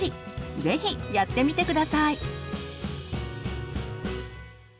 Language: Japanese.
ぜひやってみて下さい。